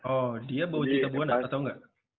oh dia bawa cittabuana atau enggak